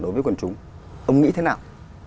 đối với quân chúng ông nghĩ thế nào